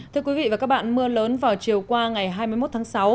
thưa quý vị và các bạn mưa lớn vào chiều qua ngày hai mươi một tháng sáu